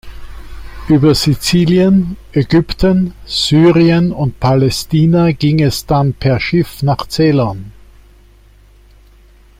Über Sizilien, Ägypten, Syrien und Palästina ging es dann per Schiff nach Ceylon.